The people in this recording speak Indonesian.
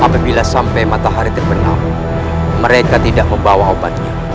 apabila sampai matahari terbenam mereka tidak membawa obatnya